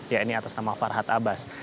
ya ini atas nama farhad abbas